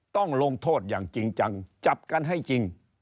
ต้องลงโทษอย่างจริงจังจับกันให้จริง